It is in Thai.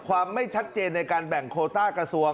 ความไม่ชัดเจนในการแบ่งโคต้ากระทรวง